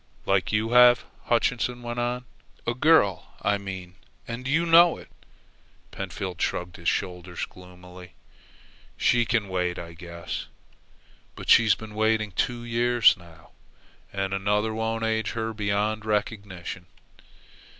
"Like you have," Hutchinson went on. "A girl, I mean, and you know it." Pentfield shrugged his shoulders gloomily. "She can wait, I guess." "But she's been waiting two years now." "And another won't age her beyond recognition."